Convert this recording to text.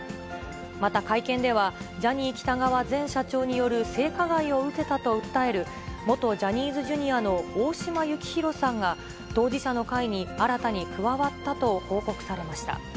また、会見では、ジャニー喜多川前社長による性加害を受けたと訴える元ジャニーズＪｒ．の大島幸広さんが、当事者の会に新たに加わったと報告されました。